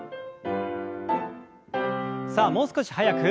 さあもう少し速く。